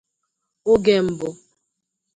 Oge mbụ